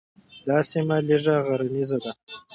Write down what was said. دا سیمه لږه غرنیزه ده.